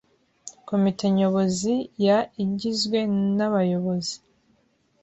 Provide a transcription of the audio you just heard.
Komite Nyobozi ya igizwe n Abayobozi